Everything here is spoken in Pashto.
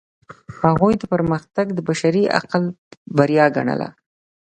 هغوی پرمختګ د بشري عقل بریا ګڼله.